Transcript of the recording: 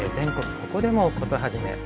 ここでもコトはじめ」。